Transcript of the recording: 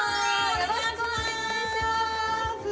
よろしくお願いします